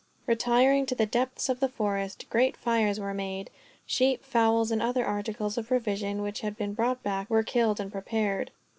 Retiring to the depths of the forest, great fires were made. Sheep, fowls, and other articles of provision, which had been brought back, were killed and prepared.